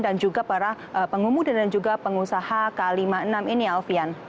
dan juga para pengusaha k lima enam ini alfian